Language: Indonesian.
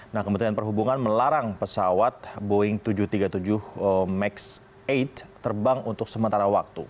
nah kementerian perhubungan melarang pesawat boeing tujuh ratus tiga puluh tujuh max delapan terbang untuk sementara waktu